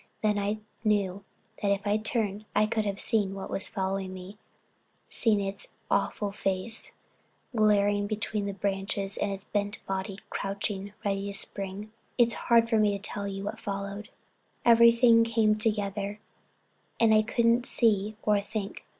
Then I knew if I turned I could have seen what was following me, seen its awful face, glaring between the branches and its bent body, crouched, ready to spring. It's hard for me to tell what followed—everything came together and I couldn't see or think.